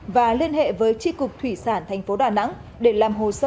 và liên hệ với chi cục thủy sản tp đà nẵng để làm hỗ trợ